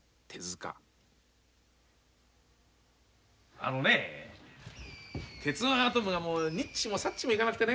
あのね「鉄腕アトム」がもうニッチもサッチもいかなくてね